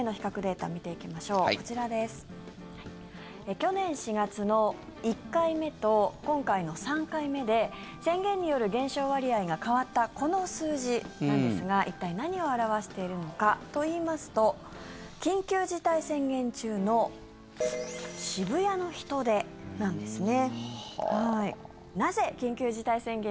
去年４月の１回目と今回の３回目で宣言による減少割合が変わったこの数字なんですが一体何を表しているのかといいますと緊急事態宣言中の渋谷の人出なんですね。